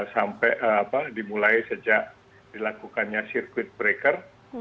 sampai dimulai sejak dilakukannya sirkuit breaker